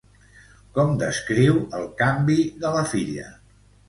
Com descriu el canvi de la filla?